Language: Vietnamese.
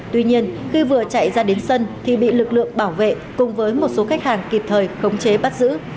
tuy nhiên khi vừa chạy ra đến sân thì bị lực lượng bảo vệ cùng với một số khách hàng kịp thời khống chế bắt giữ